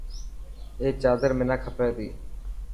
اي چادر منا کپي تي.